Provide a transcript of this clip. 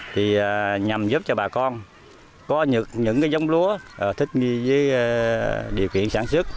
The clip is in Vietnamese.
thì nhằm giúp cho bà con có được những cái giống lúa thích nghi với điều kiện sản xuất